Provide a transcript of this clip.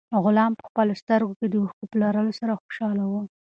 غلام په خپلو سترګو کې د اوښکو په لرلو سره خوشاله و.